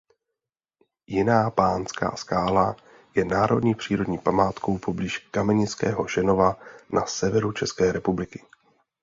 Jiná Panská skála je národní přírodní památkou poblíž Kamenického Šenova na severu České republiky.